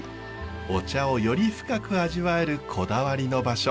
お茶をより深く味わえるこだわりの場所。